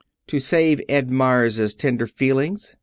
"To save Ed Meyers's tender feelings!